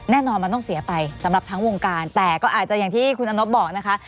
แน่นอนมันต้องเสียไปสำหรับทั้งวงการแต่ก็อาจจะอย่างที่คุณอนบบอกนะคะ